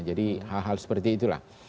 jadi hal hal seperti itulah